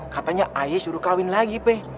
katanya ayah suruh kawin lagi pe